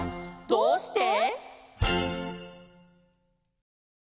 「どうして？」